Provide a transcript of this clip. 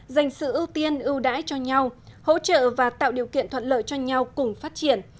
dành sự ưu tiên ưu đãi cho nhau hỗ trợ và tạo điều kiện thuận lợi cho nhau cùng phát triển